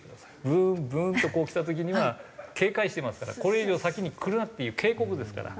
ブーンブーンとこう来た時には警戒してますからこれ以上先に来るなっていう警告ですから。